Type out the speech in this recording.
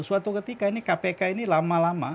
suatu ketika ini kpk ini lama lama